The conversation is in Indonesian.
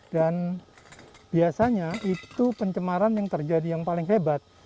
dan biasanya itu pencemaran yang terjadi yang paling hebat